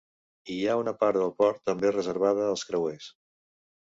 Hi ha una part del port també reservada als creuers.